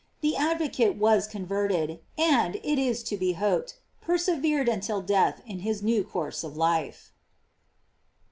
The advocate was converted, and, it is to be hoped, persevered until death in his new course of life.